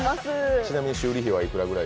ちなみに修理費はいくらぐらい？